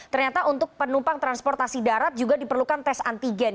ternyata untuk penumpang transportasi darat juga diperlukan tes antigen